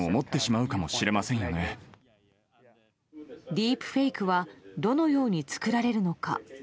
ディープフェイクはどのように作られるのか。